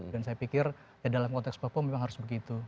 dan saya pikir dalam konteks papua memang harus begitu